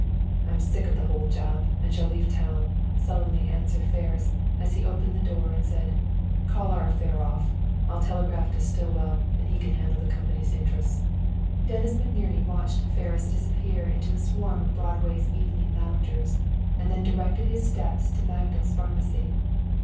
"I'm sick of the whole job, and shall leave town," sullenly answered Ferris, as he opened the door and said, "Call our affair off! I'll telegraph to Stillwell, and he can handle the company's interests." Dennis McNerney watched Ferris disappear in the swarm of Broadway's evening loungers, and then directed his steps to Magdal's Pharmacy.